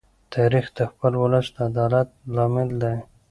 تاریخ د خپل ولس د عدالت لامل دی.